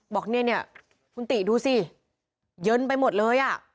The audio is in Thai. บอกว่าคุณติดูสิเยินไปหมดเลย